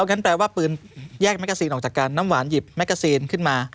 นั่นแปลว่าปืนแยกแม็กเกอร์ซีนออกจากกันน้ำหวานหยิบแม็กเกอร์ซีนขึ้นมา